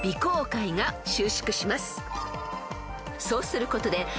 ［そうすることで］